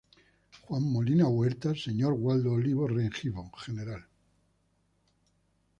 Juan Molina Huertas, Sr. Waldo Olivos Rengifo, Gral.